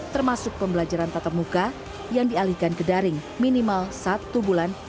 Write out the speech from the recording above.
termasuk pembelajaran tatap muka yang dialihkan ke daring minimal satu bulan